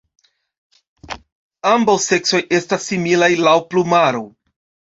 Ambaŭ seksoj estas similaj laŭ plumaro.